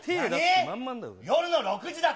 夜の６時だと？